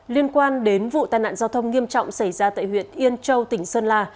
liên quan đến vụ tai nạn giao thông nghiêm trọng xảy ra tại huyện yên châu tỉnh sơn la